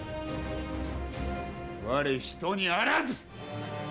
われ、人にあらず！